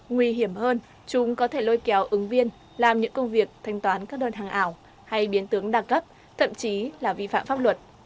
nguy hiểm hơn chúng có thể lôi kéo ứng viên làm những công việc thanh toán các đơn hàng ảo hay biến tướng đa cấp thậm chí là vi phạm pháp luật